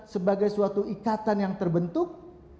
sebagai suatu ikatan yang terbentuk